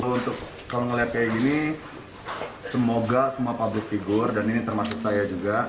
untuk kalau ngelihat kayak gini semoga semua public figure dan ini termasuk saya juga